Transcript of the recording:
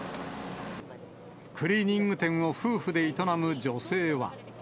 クリーニング店を夫婦で営む女性は。